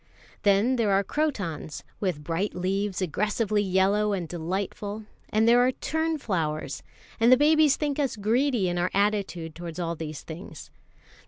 Then there are crotons, with bright leaves aggressively yellow and delightful, and there are "tunflowers"; and the babies think us greedy in our attitude towards all these things.